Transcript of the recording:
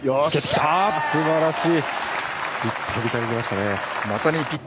すばらしい。